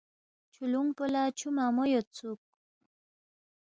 چھولونگپو لا چھو منگمو یود سوک